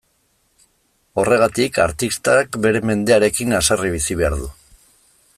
Horregatik, artistak bere mendearekin haserre bizi behar du.